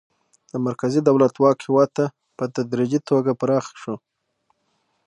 د مرکزي دولت واک هیواد ته په تدریجي توګه پراخه شو.